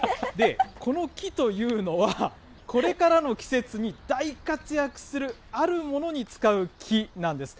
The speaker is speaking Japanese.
この木というのは、これからの季節に大活躍するあるものに使う木なんです。